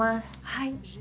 はい。